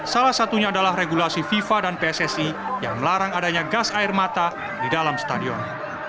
salah satunya adalah regulasi fifa dan pssi yang melarang adanya gas air mata di dalam stadion